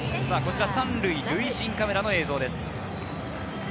こちら３塁塁審カメラの映像です。